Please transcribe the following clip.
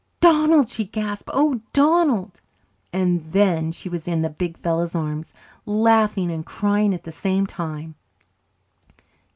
"Donald!" she gasped. "Oh, Donald!" And then she was in the big fellow's arms, laughing and crying at the same time.